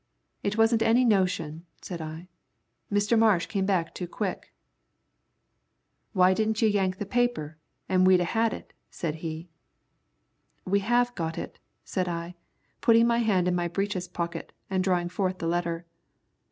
"It wasn't any notion," said I; "Mr. Marsh came back too quick." "Why didn't you yank the paper, an' we'd a had it," said he. "We have got it," said I, putting my hand in my breeches pocket and drawing forth the letter.